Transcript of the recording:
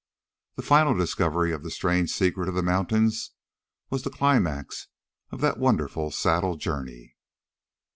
The final discovery of the strange secret of the mountains was the climax of that wonderful saddle journey.